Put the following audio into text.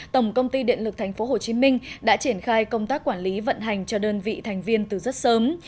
tổng công ty điện lực tp hcm đã triển khai công tác quản lý vận hành cho đơn vị thành viên từ rất sớm